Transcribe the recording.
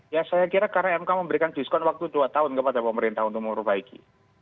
ya saya kira karena mk memberikan diskon waktu dua tahun kepada pemerintah untuk memperbaiki